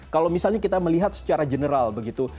kalau misalnya kita melihat secara general begitu